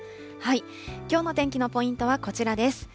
きょうの天気のポイントはこちらです。